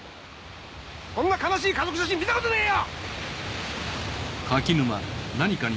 こんな悲しい家族写真見たことねえよ！！